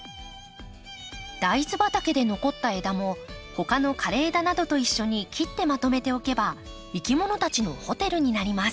大豆畑で残った枝も他の枯れ枝などと一緒に切ってまとめておけばいきものたちのホテルになります。